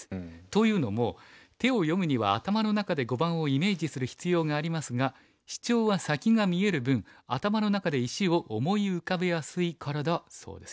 というのも手を読むには頭の中で碁盤をイメージする必要がありますがシチョウは先が見える分頭の中で石を思い浮かべやすいからだそうですよ。